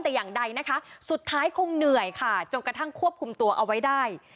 แต่อย่างใดนะคะสุดท้ายคงเหนื่อยค่ะจนกระทั่งควบคุมตัวเอาไว้ได้